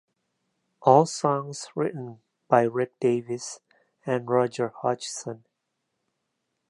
All songs written by Rick Davies and Roger Hodgson.